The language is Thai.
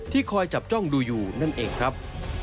คอยจับจ้องดูอยู่นั่นเองครับ